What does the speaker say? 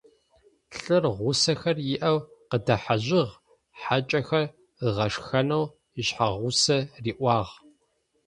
Лӏыр гъусэхэр иӏэу къыдэхьэжьыгъ, хьакӏэхэр ыгъэшхэнэу ишъхьэгъусэ риӏуагъ,.